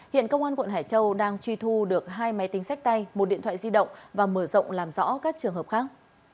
hiện công an quận hải châu đang truy thu được hai máy tính sách tay một điện thoại di động và mở rộng làm rõ các trường hợp khác